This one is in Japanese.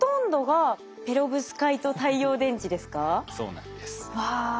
そうなんです。わ！